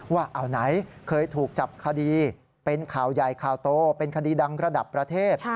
ว่าเอาไหนเคยถูกจับคดีเป็นข่าวใหญ่ข่าวโตเป็นคดีดังระดับประเทศ